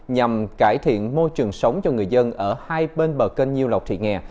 nhằm cải thiện môi trường sống cho người dân ở hai bên bờ kênh nhiêu lọc thị nghè